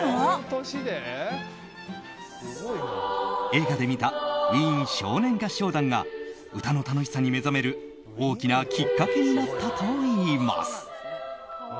映画で見たウィーン少年合唱団が歌の楽しさに目覚める大きなきっかけになったといいます。